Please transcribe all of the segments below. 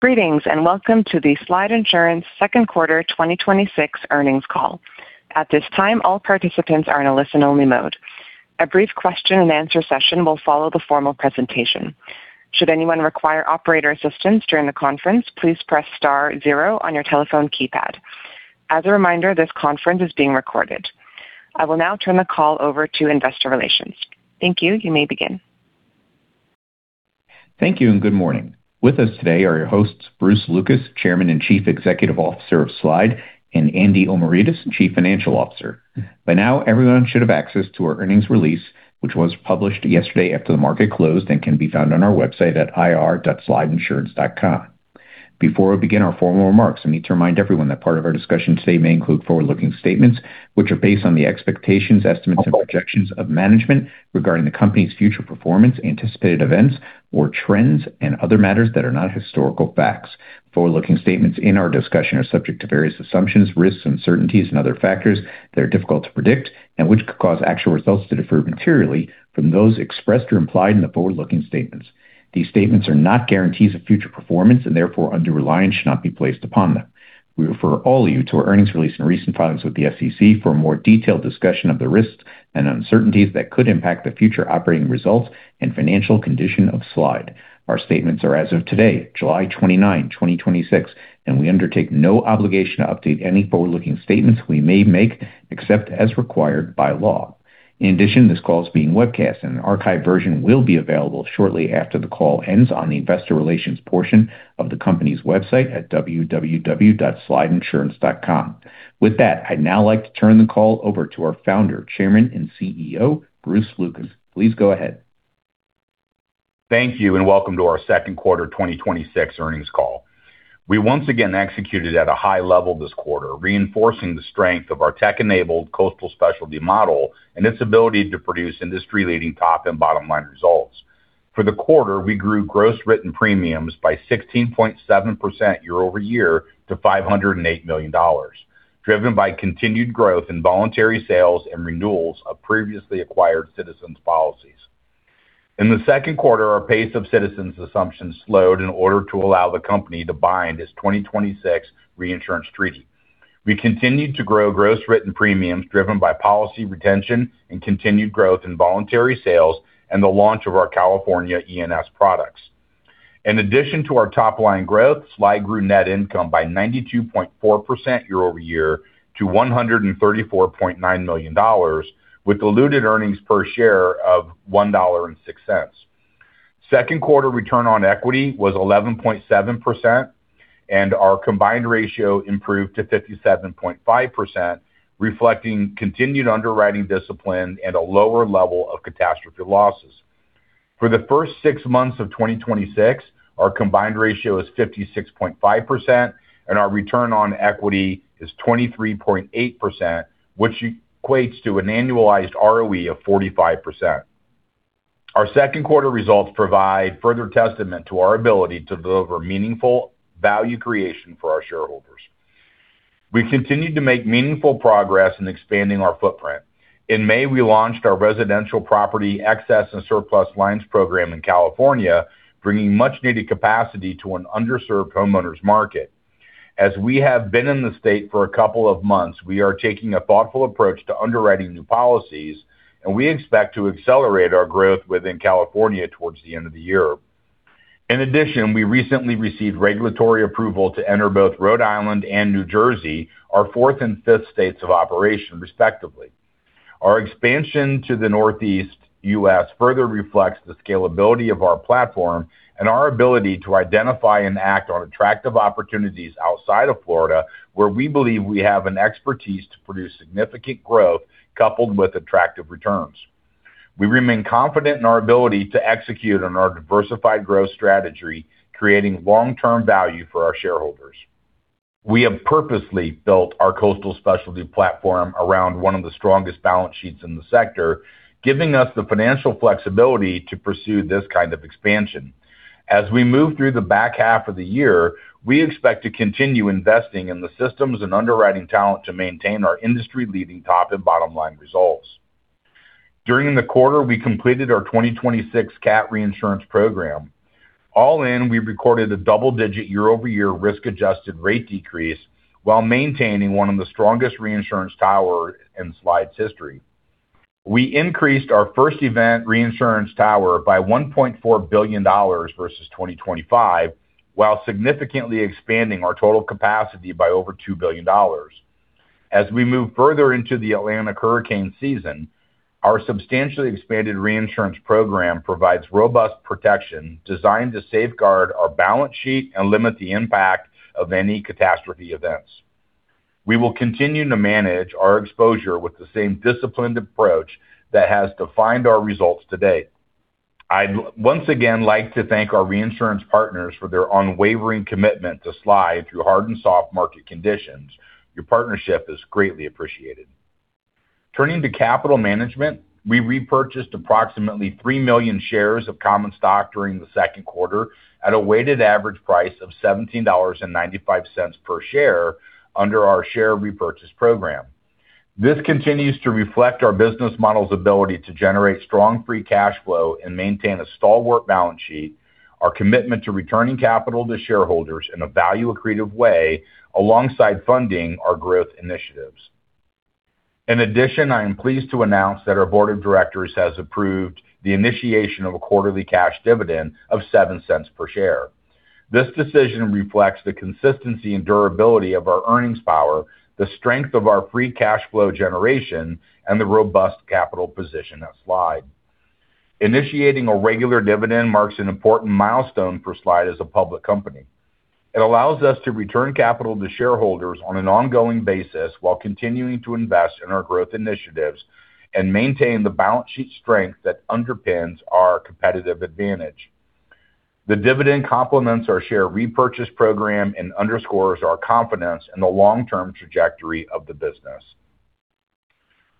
Greetings, and welcome to the Slide Insurance second quarter 2026 earnings call. At this time, all participants are in a listen-only mode. A brief question and answer session will follow the formal presentation. Should anyone require operator assistance during the conference, please press star zero on your telephone keypad. As a reminder, this conference is being recorded. I will now turn the call over to investor relations. Thank you. You may begin. Thank you. Good morning. With us today are your hosts, Bruce Lucas, Chairman and Chief Executive Officer of Slide, and Andy Omiridis, Chief Financial Officer. By now, everyone should have access to our earnings release, which was published yesterday after the market closed and can be found on our website at ir.slideinsurance.com. Before we begin our formal remarks, I need to remind everyone that part of our discussion today may include forward-looking statements which are based on the expectations, estimates, and projections of management regarding the company's future performance, anticipated events or trends, and other matters that are not historical facts. Forward-looking statements in our discussion are subject to various assumptions, risks, uncertainties, and other factors that are difficult to predict, which could cause actual results to differ materially from those expressed or implied in the forward-looking statements. These statements are not guarantees of future performance and therefore undue reliance should not be placed upon them. We refer all of you to our earnings release and recent filings with the SEC for a more detailed discussion of the risks and uncertainties that could impact the future operating results and financial condition of Slide. Our statements are as of today, July 29, 2026. We undertake no obligation to update any forward-looking statements we may make except as required by law. In addition, this call is being webcast and an archived version will be available shortly after the call ends on the investor relations portion of the company's website at www.slideinsurance.com. With that, I'd now like to turn the call over to our founder, Chairman, and CEO, Bruce Lucas. Please go ahead. Thank you. Welcome to our second quarter 2026 earnings call. We once again executed at a high level this quarter, reinforcing the strength of our tech-enabled coastal specialty model and its ability to produce industry-leading top and bottom-line results. For the quarter, we grew gross written premiums by 16.7% year-over-year to $508 million, driven by continued growth in voluntary sales and renewals of previously acquired Citizens policies. In the second quarter, our pace of Citizens assumptions slowed in order to allow the company to bind its 2026 reinsurance treaty. We continued to grow gross written premiums driven by policy retention and continued growth in voluntary sales and the launch of our California E&S products. In addition to our top-line growth, Slide grew net income by 92.4% year-over-year to $134.9 million, with diluted earnings per share of $1.06. Second quarter return on equity was 11.7%, and our combined ratio improved to 57.5%, reflecting continued underwriting discipline and a lower level of catastrophe losses. For the first six months of 2026, our combined ratio is 56.5% and our return on equity is 23.8%, which equates to an annualized ROE of 45%. Our second quarter results provide further testament to our ability to deliver meaningful value creation for our shareholders. We continued to make meaningful progress in expanding our footprint. In May, we launched our residential property excess and surplus lines program in California, bringing much needed capacity to an underserved homeowners market. As we have been in the state for a couple of months, we are taking a thoughtful approach to underwriting new policies, and we expect to accelerate our growth within California towards the end of the year. In addition, we recently received regulatory approval to enter both Rhode Island and New Jersey, our fourth and fifth states of operation, respectively. Our expansion to the Northeast U.S. further reflects the scalability of our platform and our ability to identify and act on attractive opportunities outside of Florida, where we believe we have an expertise to produce significant growth, coupled with attractive returns. We remain confident in our ability to execute on our diversified growth strategy, creating long-term value for our shareholders. We have purposely built our coastal specialty platform around one of the strongest balance sheets in the sector, giving us the financial flexibility to pursue this kind of expansion. As we move through the back half of the year, we expect to continue investing in the systems and underwriting talent to maintain our industry leading top and bottom-line results. During the quarter, we completed our 2026 CAT reinsurance program. All in, we recorded a double-digit year-over-year risk-adjusted rate decrease while maintaining one of the strongest reinsurance towers in Slide's history. We increased our first event reinsurance tower by $1.4 billion versus 2025, while significantly expanding our total capacity by over $2 billion. As we move further into the Atlantic hurricane season, our substantially expanded reinsurance program provides robust protection designed to safeguard our balance sheet and limit the impact of any catastrophe events. We will continue to manage our exposure with the same disciplined approach that has defined our results to date. I'd once again like to thank our reinsurance partners for their unwavering commitment to Slide through hard and soft market conditions. Your partnership is greatly appreciated. Turning to capital management, we repurchased approximately three million shares of common stock during the second quarter at a weighted average price of $17.95 per share under our share repurchase program. This continues to reflect our business model's ability to generate strong free cash flow and maintain a stalwart balance sheet, our commitment to returning capital to shareholders in a value-accretive way, alongside funding our growth initiatives. In addition, I am pleased to announce that our board of directors has approved the initiation of a quarterly cash dividend of $0.07 per share. This decision reflects the consistency and durability of our earnings power, the strength of our free cash flow generation, and the robust capital position at Slide. Initiating a regular dividend marks an important milestone for Slide as a public company. It allows us to return capital to shareholders on an ongoing basis while continuing to invest in our growth initiatives and maintain the balance sheet strength that underpins our competitive advantage. The dividend complements our share repurchase program and underscores our confidence in the long-term trajectory of the business.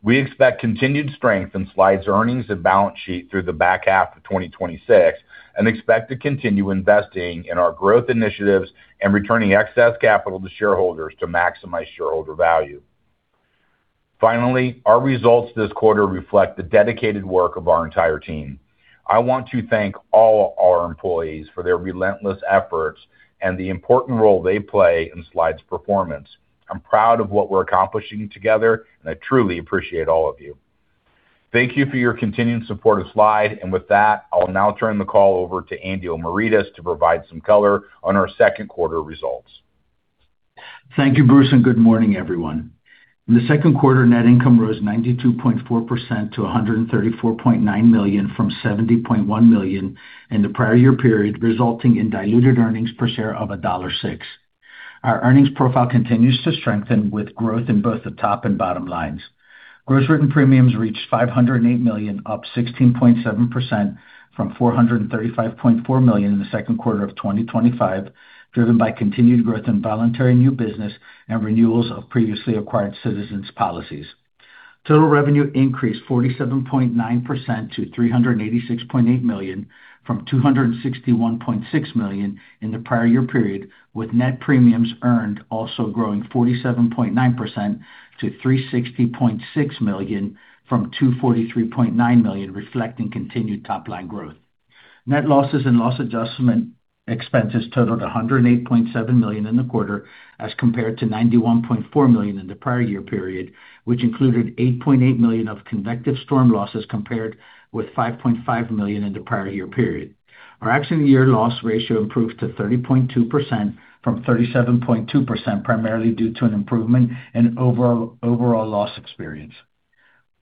We expect continued strength in Slide's earnings and balance sheet through the back half of 2026 and expect to continue investing in our growth initiatives and returning excess capital to shareholders to maximize shareholder value. Finally, our results this quarter reflect the dedicated work of our entire team. I want to thank all our employees for their relentless efforts and the important role they play in Slide's performance. I'm proud of what we're accomplishing together, and I truly appreciate all of you. Thank you for your continued support of Slide. With that, I will now turn the call over to Andy Omiridis to provide some color on our second quarter results. Thank you, Bruce. Good morning, everyone. In the second quarter, net income rose 92.4% to $134.9 million from $70.1 million in the prior year period, resulting in diluted earnings per share of $1.06. Our earnings profile continues to strengthen with growth in both the top and bottom lines. Gross written premiums reached $508 million, up 16.7% from $435.4 million in the second quarter of 2025, driven by continued growth in voluntary new business and renewals of previously acquired Citizens' policies. Total revenue increased 47.9% to $386.8 million, from $261.6 million in the prior year period, with net premiums earned also growing 47.9% to $360.6 million from $243.9 million, reflecting continued top-line growth. Net losses and loss adjustment expenses totaled $108.7 million in the quarter as compared to $91.4 million in the prior year period, which included $8.8 million of convective storm losses, compared with $5.5 million in the prior year period. Our actual year loss ratio improved to 30.2% from 37.2%, primarily due to an improvement in overall loss experience.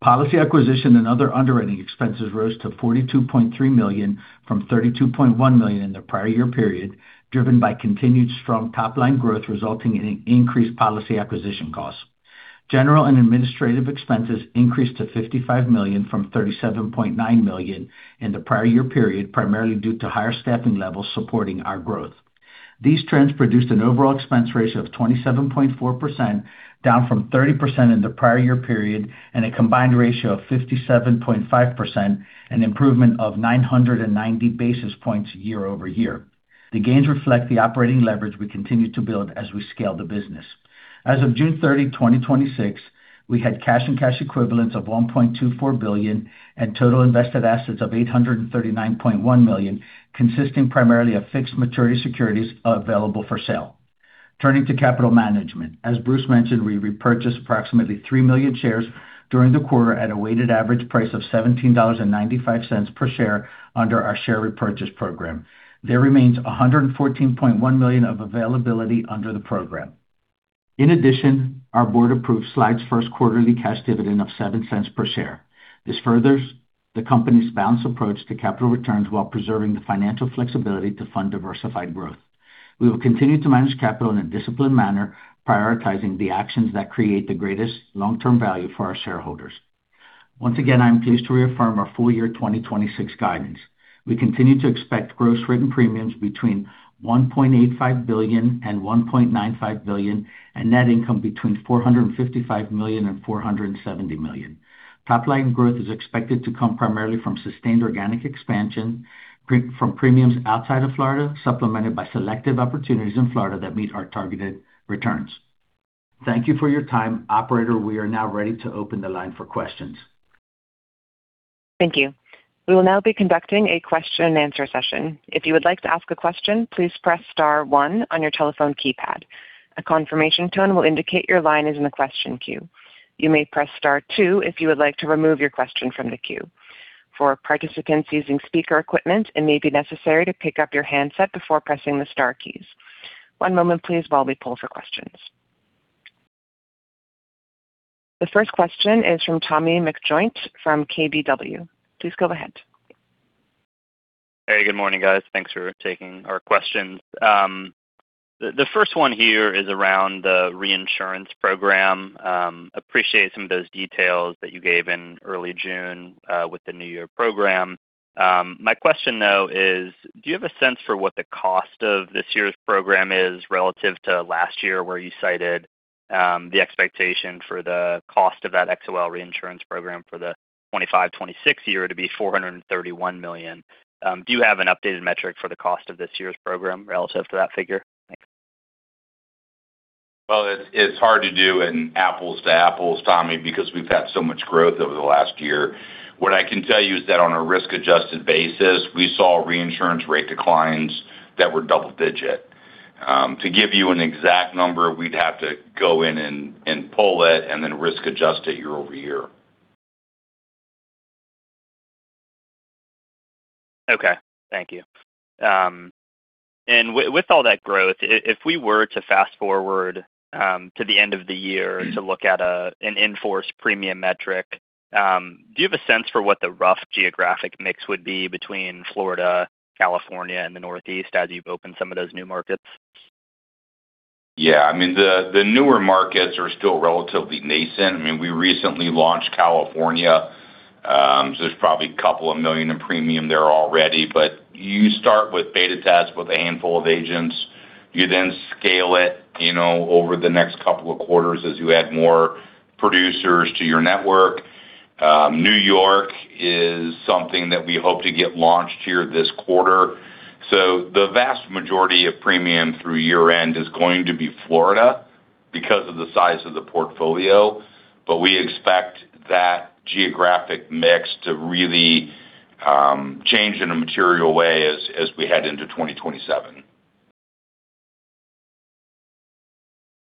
Policy acquisition and other underwriting expenses rose to $42.3 million from $32.1 million in the prior year period, driven by continued strong top-line growth, resulting in an increased policy acquisition cost. General and administrative expenses increased to $55 million from $37.9 million in the prior year period, primarily due to higher staffing levels supporting our growth. These trends produced an overall expense ratio of 27.4%, down from 30% in the prior year period, and a combined ratio of 57.5%, an improvement of 990 basis points year-over-year. The gains reflect the operating leverage we continue to build as we scale the business. As of June 30, 2026, we had cash and cash equivalents of $1.24 billion and total invested assets of $839.1 million, consisting primarily of fixed maturity securities available for sale. Turning to capital management. As Bruce mentioned, we repurchased approximately three million shares during the quarter at a weighted average price of $17.95 per share under our share repurchase program. There remains $114.1 million of availability under the program. In addition, our board approved Slide's first quarterly cash dividend of $0.07 per share. This furthers the company's balanced approach to capital returns while preserving the financial flexibility to fund diversified growth. We will continue to manage capital in a disciplined manner, prioritizing the actions that create the greatest long-term value for our shareholders. Once again, I am pleased to reaffirm our full year 2026 guidance. We continue to expect gross written premiums between $1.85 billion-$1.95 billion, and net income between $455 million-$470 million. Top-line growth is expected to come primarily from sustained organic expansion from premiums outside of Florida, supplemented by selective opportunities in Florida that meet our targeted returns. Thank you for your time. Operator, we are now ready to open the line for questions. Thank you. We will now be conducting a question and answer session. If you would like to ask a question, please press star one on your telephone keypad. A confirmation tone will indicate your line is in the question queue. You may press star two if you would like to remove your question from the queue. For participants using speaker equipment, it may be necessary to pick up your handset before pressing the star keys. One moment please while we pull for questions. The first question is from Tommy McJoynt from KBW. Please go ahead. Hey, good morning, guys. Thanks for taking our questions. The first one here is around the reinsurance program. Appreciate some of those details that you gave in early June with the new year program. My question though is, do you have a sense for what the cost of this year's program is relative to last year, where you cited the expectation for the cost of that XOL reinsurance program for the 2025, 2026 year to be $431 million? Do you have an updated metric for the cost of this year's program relative to that figure? Thanks. It's hard to do an apples to apples, Tommy, because we've had so much growth over the last year. What I can tell you is that on a risk-adjusted basis, we saw reinsurance rate declines that were double-digit. To give you an exact number, we'd have to go in and pull it and then risk adjust it year over year. Okay. Thank you. With all that growth, if we were to fast-forward to the end of the year to look at an in-force premium metric, do you have a sense for what the rough geographic mix would be between Florida, California, and the Northeast as you've opened some of those new markets? Yeah. The newer markets are still relatively nascent. We recently launched California, so there's probably a couple of million in premium there already. You start with beta tests with a handful of agents. You then scale it over the next couple of quarters as you add more producers to your network. New York is something that we hope to get launched here this quarter. The vast majority of premium through year-end is going to be Florida because of the size of the portfolio. We expect that geographic mix to really change in a material way as we head into 2027.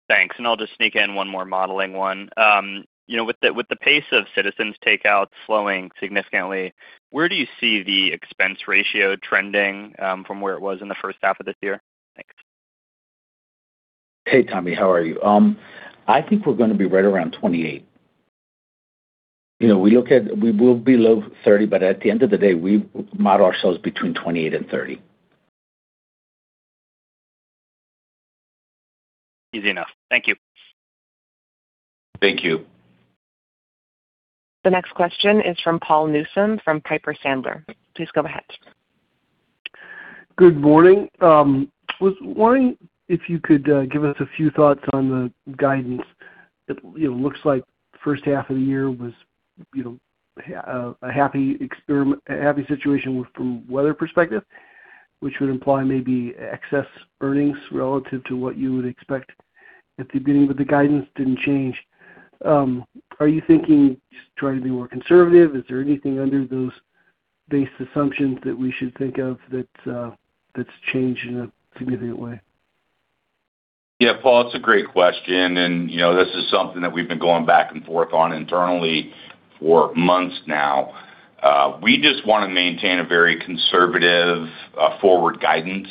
Thanks. I'll just sneak in one more modeling one. With the pace of Citizens' takeout slowing significantly, where do you see the expense ratio trending from where it was in the first half of this year? Thanks. Hey, Tommy. How are you? I think we're going to be right around 28. We will be below 30, At the end of the day, we model ourselves between 28 and 30. Easy enough. Thank you. Thank you. The next question is from Paul Newsome from Piper Sandler. Please go ahead. Good morning. Was wondering if you could give us a few thoughts on the guidance. It looks like first half of the year was a happy situation from weather perspective, which would imply maybe excess earnings relative to what you would expect at the beginning. The guidance didn't change. Are you thinking, just trying to be more conservative? Is there anything under those base assumptions that we should think of that's changed in a significant way? Yeah, Paul, it's a great question. This is something that we've been going back and forth on internally for months now. We just want to maintain a very conservative forward guidance.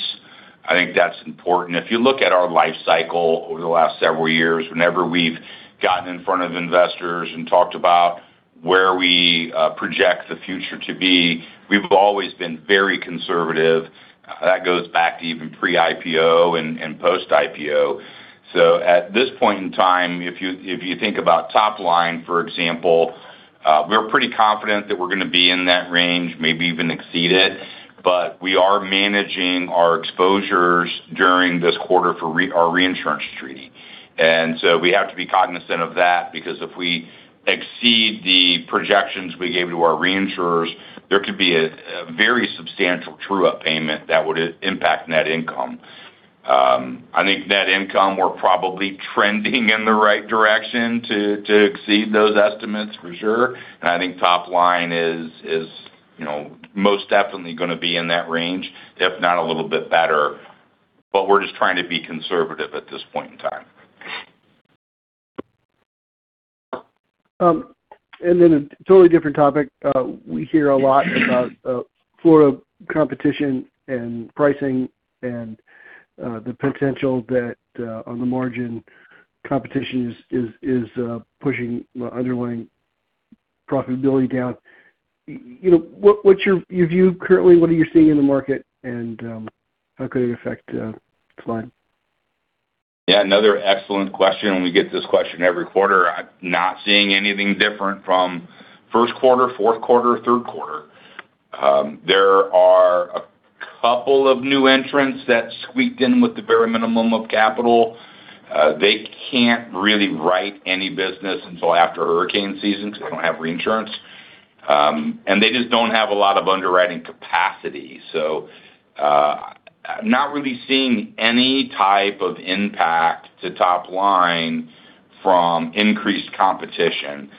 I think that's important. If you look at our life cycle over the last several years, whenever we've gotten in front of investors and talked about where we project the future to be, we've always been very conservative. That goes back to even pre-IPO and post-IPO. At this point in time, if you think about top line, for example, we're pretty confident that we're going to be in that range, maybe even exceed it. We are managing our exposures during this quarter for our reinsurance treaty. We have to be cognizant of that, because if we exceed the projections we gave to our reinsurers, there could be a very substantial true-up payment that would impact net income. I think net income, we're probably trending in the right direction to exceed those estimates for sure. I think top line is most definitely going to be in that range, if not a little bit better. We're just trying to be conservative at this point in time. A totally different topic. We hear a lot about Florida competition and pricing and the potential that on the margin, competition is pushing underlying profitability down. What's your view currently? What are you seeing in the market, and how could it affect decline? Another excellent question. We get this question every quarter. I'm not seeing anything different from first quarter, fourth quarter, third quarter. There are a couple of new entrants that squeaked in with the very minimum of capital. They can't really write any business until after hurricane season because they don't have reinsurance. They just don't have a lot of underwriting capacity. Not really seeing any type of impact to top line from increased competition.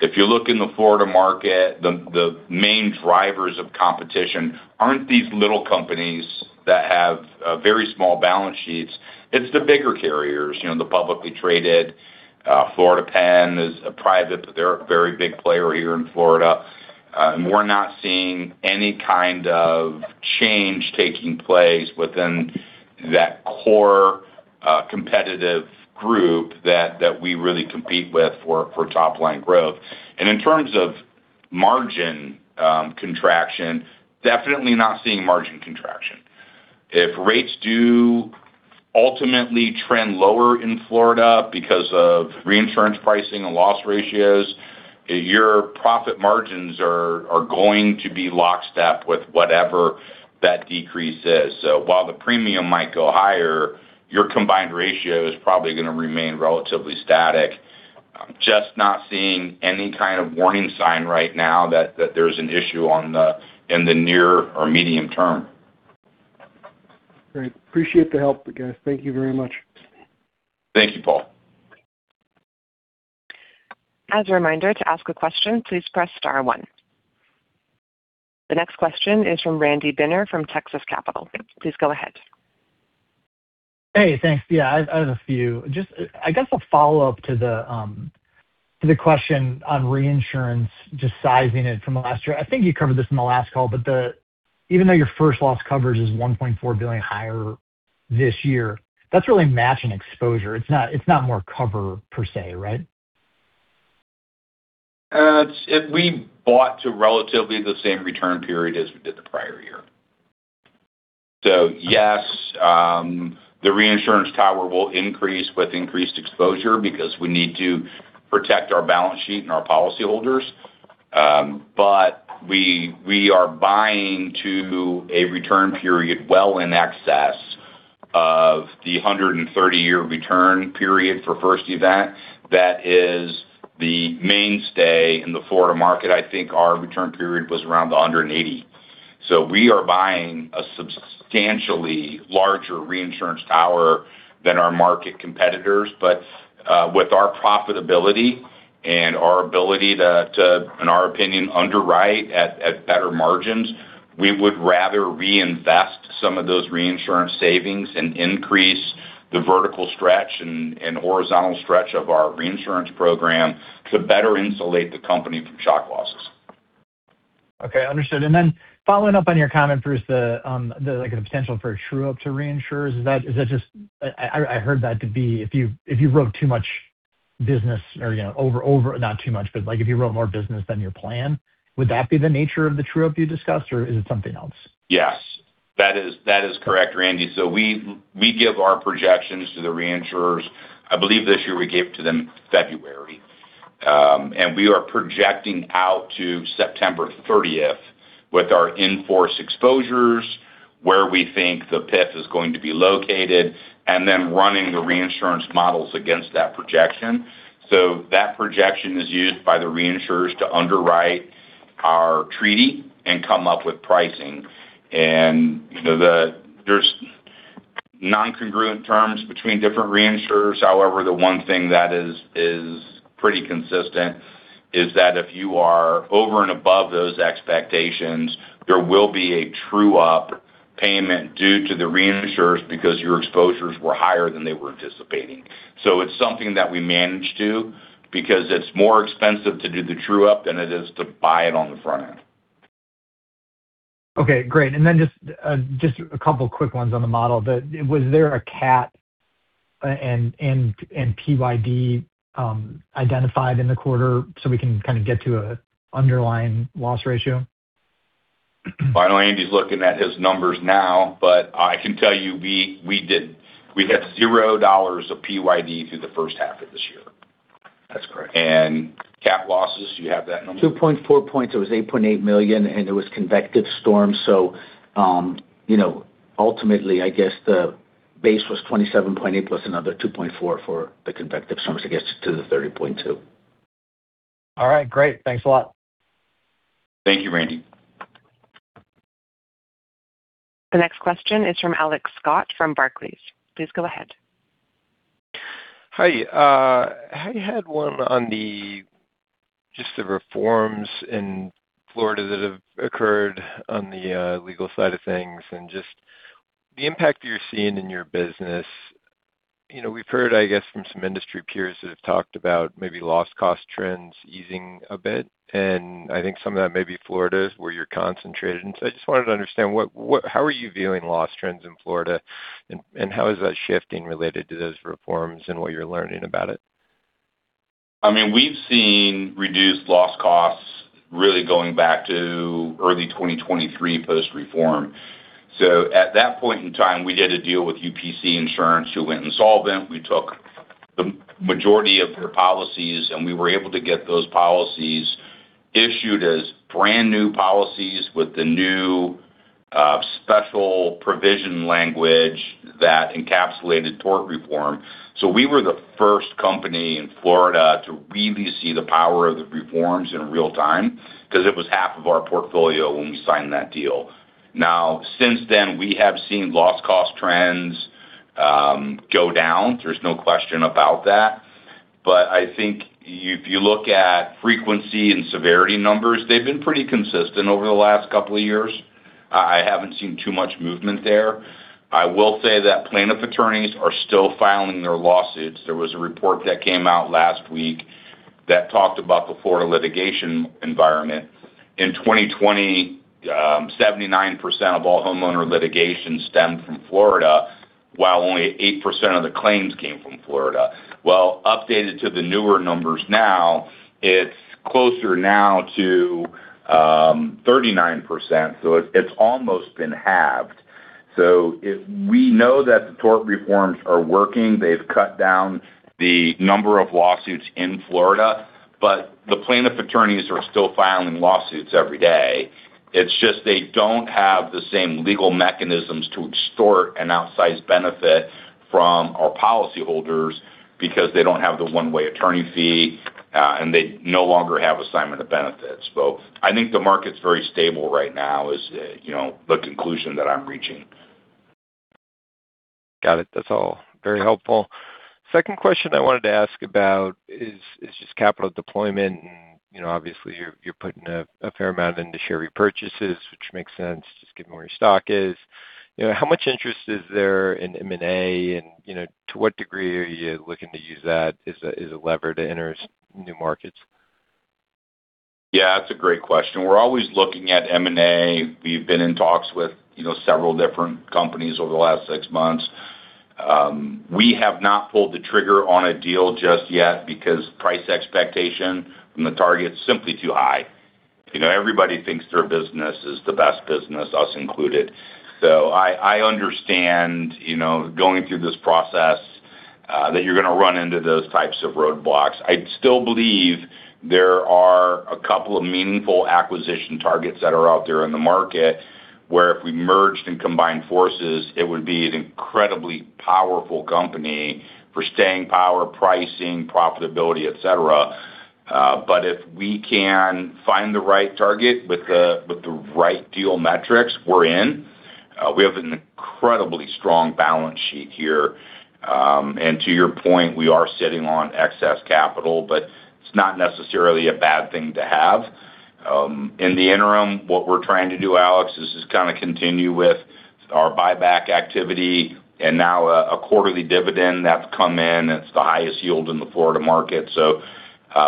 If you look in the Florida market, the main drivers of competition aren't these little companies that have very small balance sheets. It's the bigger carriers, the publicly traded. Florida Penn is a private, but they're a very big player here in Florida. We're not seeing any kind of change taking place within that core competitive group that we really compete with for top line growth. In terms of margin contraction, definitely not seeing margin contraction. If rates do ultimately trend lower in Florida because of reinsurance pricing and loss ratios, your profit margins are going to be lockstep with whatever that decrease is. While the premium might go higher, your combined ratio is probably going to remain relatively static. Just not seeing any kind of warning sign right now that there's an issue in the near or medium term Great. Appreciate the help, guys. Thank you very much. Thank you, Paul. As a reminder, to ask a question, please press star one. The next question is from Randy Binner from Texas Capital. Please go ahead. Hey, thanks. Yeah, I have a few. I guess a follow-up to the question on reinsurance, just sizing it from last year. I think you covered this in the last call, but even though your first loss coverage is $1.4 billion higher this year, that's really matching exposure. It's not more cover per se, right? We bought to relatively the same return period as we did the prior year. Yes, the reinsurance tower will increase with increased exposure because we need to protect our balance sheet and our policyholders. We are buying to a return period well in excess of the 130-year return period for first event. That is the mainstay in the Florida market. I think our return period was around the 180. We are buying a substantially larger reinsurance tower than our market competitors. With our profitability and our ability to, in our opinion, underwrite at better margins, we would rather reinvest some of those reinsurance savings and increase the vertical stretch and horizontal stretch of our reinsurance program to better insulate the company from shock losses. Okay, understood. Following up on your comment, Bruce, the potential for a true-up to reinsurers. I heard that to be, if you wrote more business than your plan, would that be the nature of the true-up you discussed, or is it something else? Yes. That is correct, Randy. We give our projections to the reinsurers. I believe this year we gave it to them February. We are projecting out to September 30th with our in-force exposures, where we think the PIF is going to be located, then running the reinsurance models against that projection. That projection is used by the reinsurers to underwrite our treaty and come up with pricing. There's non-congruent terms between different reinsurers. However, the one thing that is pretty consistent is that if you are over and above those expectations, there will be a true-up payment due to the reinsurers because your exposures were higher than they were anticipating. It's something that we manage to, because it's more expensive to do the true-up than it is to buy it on the front end. Okay, great. Just a couple quick ones on the model. Was there a CAT and PYD identified in the quarter so we can kind of get to an underlying loss ratio? Finally, Andy's looking at his numbers now, but I can tell you we had zero dollars of PYD through the first half of this year. That's correct. CAT losses, do you have that number? 2.4 points. It was $8.8 million and it was convective storms. Ultimately, I guess the base was $27.8+ another $2.4 for the convective storms that gets to the $30.2. All right, great. Thanks a lot. Thank you, Randy. The next question is from Alex Scott from Barclays. Please go ahead. Hi. I had one on just the reforms in Florida that have occurred on the legal side of things and just the impact you're seeing in your business. We've heard, I guess, from some industry peers that have talked about maybe loss cost trends easing a bit. I think some of that may be Florida, where you're concentrated. I just wanted to understand, how are you viewing loss trends in Florida, and how is that shifting related to those reforms and what you're learning about it? We've seen reduced loss costs really going back to early 2023 post-reform. At that point in time, we did a deal with UPC Insurance who went insolvent. We took the majority of their policies. We were able to get those policies issued as brand-new policies with the new special provision language that encapsulated tort reform. We were the first company in Florida to really see the power of the reforms in real time because it was 1/2 of our portfolio when we signed that deal. Since then, we have seen loss cost trends go down. There's no question about that. I think if you look at frequency and severity numbers, they've been pretty consistent over the last couple of years. I haven't seen too much movement there. I will say that plaintiff attorneys are still filing their lawsuits. There was a report that came out last week that talked about the Florida litigation environment. In 2020, 79% of all homeowner litigation stemmed from Florida, while only 8% of the claims came from Florida. Updated to the newer numbers now, it's closer now to 39%, so it's almost been halved. We know that the tort reforms are working. They've cut down the number of lawsuits in Florida, the plaintiff attorneys are still filing lawsuits every day. It's just they don't have the same legal mechanisms to extort an outsized benefit from our policyholders because they don't have the one-way attorney fee, they no longer have assignment of benefits. I think the market's very stable right now is the conclusion that I'm reaching. Got it. That's all very helpful. Second question I wanted to ask about is just capital deployment, obviously you're putting a fair amount into share repurchases, which makes sense, just given where your stock is. How much interest is there in M&A, to what degree are you looking to use that as a lever to enter new markets? That's a great question. We're always looking at M&A. We've been in talks with several different companies over the last six months. We have not pulled the trigger on a deal just yet because price expectation from the target is simply too high. Everybody thinks their business is the best business, us included. I understand, going through this process, that you're going to run into those types of roadblocks. I still believe there are a couple of meaningful acquisition targets that are out there in the market where if we merged and combined forces, it would be an incredibly powerful company for staying power, pricing, profitability, et cetera. If we can find the right target with the right deal metrics, we're in. We have an incredibly strong balance sheet here. To your point, we are sitting on excess capital, it's not necessarily a bad thing to have. In the interim, what we're trying to do, Alex, is just kind of continue with our buyback activity, now a quarterly dividend that's come in. It's the highest yield in the Florida market.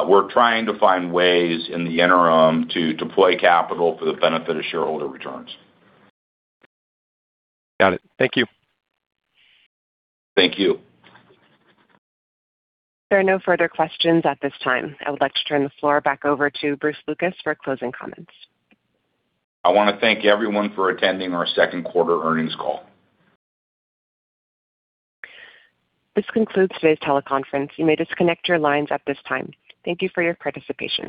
We're trying to find ways in the interim to deploy capital for the benefit of shareholder returns. Got it. Thank you. Thank you. There are no further questions at this time. I would like to turn the floor back over to Bruce Lucas for closing comments. I want to thank everyone for attending our second quarter earnings call. This concludes today's teleconference. You may disconnect your lines at this time. Thank you for your participation.